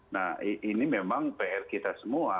nah ini memang pr kita semua